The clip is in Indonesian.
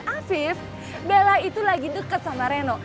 afif bella itu lagi deket sama reno